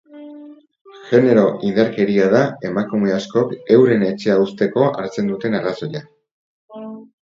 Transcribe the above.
Genero-indarkeria da emakume askok euren etxea uzteko hartzen duten arrazoia.